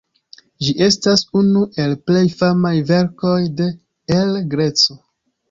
Ĝi estas unu el plej famaj verkoj de El Greco.